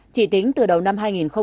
chỉ tính từ đầu năm hai nghìn một mươi chín